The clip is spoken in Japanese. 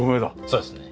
そうですね。